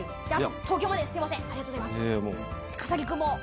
東京まで、すみません。